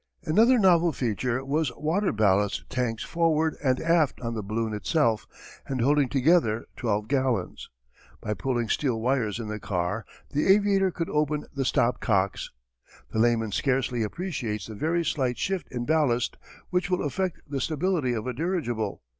Another novel feature was water ballast tanks forward and aft on the balloon itself and holding together twelve gallons. By pulling steel wires in the car the aviator could open the stop cocks. The layman scarcely appreciates the very slight shift in ballast which will affect the stability of a dirigible.